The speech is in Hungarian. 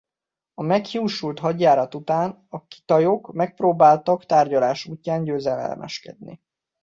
A meghiúsult hadjárat után a kitajok megpróbáltak tárgyalás útján győzedelmeskedni.